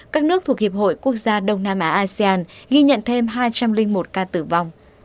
các nước thuộc hiệp hội quốc gia đông nam á asean ghi nhận thêm hai trăm linh một ca tử vong